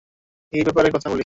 এই ব্যাপারে কথা বলি।